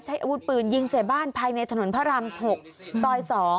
อาวุธปืนยิงใส่บ้านภายในถนนพระราม๖ซอย๒